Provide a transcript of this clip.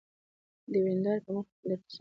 د ويندارې په مخکې مې درته څه نشوى ويلى.